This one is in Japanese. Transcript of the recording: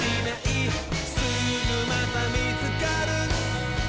「すぐまたみつかる」